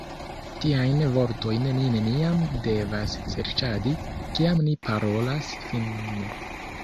Tiajn vortojn ni neniam devas serĉadi, kiam ni parolas finne.